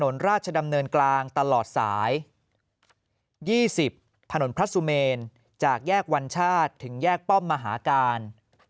ถนนราชดำเนินกลางตลอดสาย๒๐ถนนพระสุเมนจากแยกวัญชาติถึงแยกป้อมมหาการ